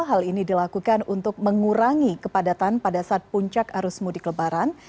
hal ini dilakukan untuk mengurangi kepadatan pada saat puncak arus mudik lebaran